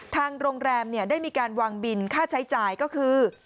ทางโรงแรมได้มีการวางบินค่าใช้จ่ายก็คือ